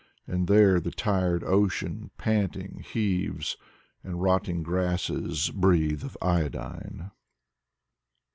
And there the tired ocean, panting, heaves, And rotting grasses breathe of iodine.